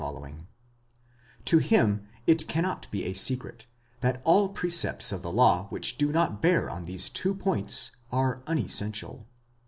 — to him it cannot be a secret, that all precepts of the law which do not bear on these two points are unessential.